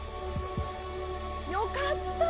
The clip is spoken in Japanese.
良かった！